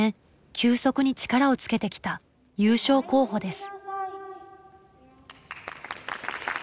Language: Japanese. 急速に力をつけてきた優勝候補です。